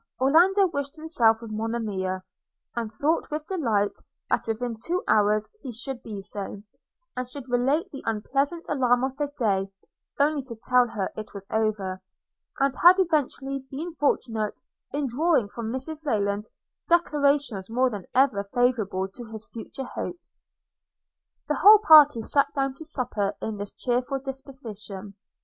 Orlando wished himself with Monimia; and thought with delight that within two hours he should be so, and should relate the unpleasant alarm of the day, only to tell her it was over, and had eventually been fortunate in drawing from Mrs Rayland declarations more than ever favourable to his future hopes. The whole party sat down to supper in this cheerful disposition.